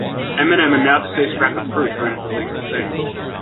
Eminem and now deceased rapper Proof are in a deleted scene.